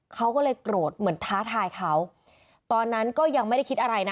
เขาก็เลยโกรธเหมือนท้าทายเขาตอนนั้นก็ยังไม่ได้คิดอะไรนะ